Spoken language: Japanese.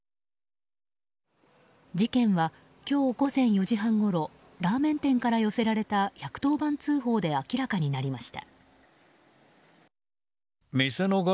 事件は今日午前４時半ごろラーメン店から寄せられた１１０番通報で明らかになりました。